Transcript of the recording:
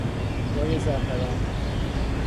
جای زعفران